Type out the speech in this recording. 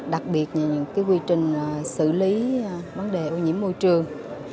đặc biệt là những quy trình xử lý vấn đề ô nhiễm môi trường